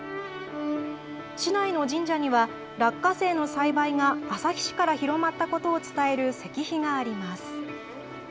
市内の神社には、落花生の栽培が旭市から広まったことを伝える石碑があります。